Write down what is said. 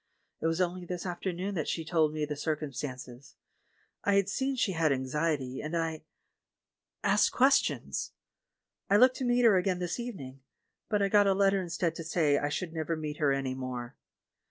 It was only this afternoon that she told me the cir cumstances ! I had seen she had anxiety, and I —■ asked questions. I looked to meet her again this evening, but I got a letter instead to say I should never meet her any more.